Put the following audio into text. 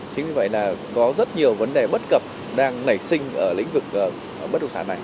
chính vì vậy là có rất nhiều vấn đề bất cập đang nảy sinh ở lĩnh vực bất động sản này